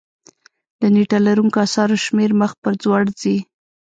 د نېټه لرونکو اثارو شمېر مخ په ځوړ ځي.